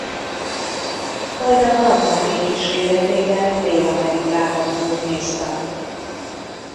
Majd a Gamma Ray kíséretében Dél-Amerikában turnéztak.